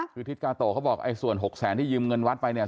คือทิศกาโตบอกส่วนหกแสนที่ยืมเงินวัดไปเนี่ย